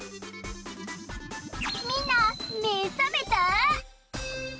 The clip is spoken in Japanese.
みんなめさめた？